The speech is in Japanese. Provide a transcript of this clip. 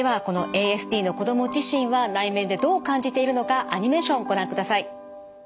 このＡＳＤの子ども自身は内面でどう感じているのかアニメーションをご覧ください。